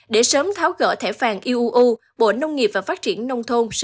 để sớm tháo gỡ thẻ vàng iuu bộ nông nghiệp và phát triển nông thôn